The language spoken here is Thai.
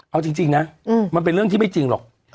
เอาจริงนะมันเป็นเรื่องที่ไม่จริงหรอก